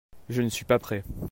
Je ne suis pas prêt.